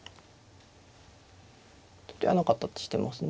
ちょっと嫌な形してますね。